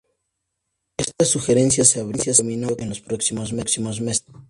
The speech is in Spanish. Esta sugerencia se abrió camino en los próximos meses.